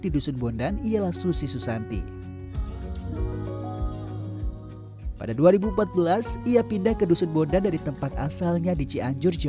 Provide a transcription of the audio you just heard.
di dusun bondan ialah susi susanti pada dua ribu empat belas ia pindah ke dusun bondan dari tempat asalnya di cianjur